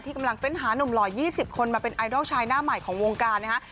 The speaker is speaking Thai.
กำลังเฟ้นหานุ่มหล่อ๒๐คนมาเป็นไอดอลชายหน้าใหม่ของวงการนะฮะ